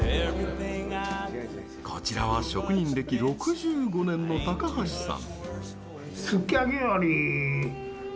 こちらは職人歴６５年の高橋さん。